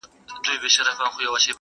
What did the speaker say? په دربار کي یې څو غټ سړي ساتلي-